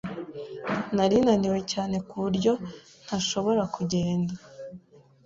Nari naniwe cyane ku buryo ntashobora kugenda.